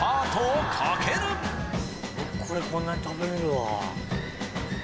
よくこれこんなに食べれるわ。